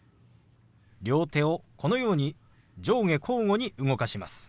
両手をこのように上下交互に動かします。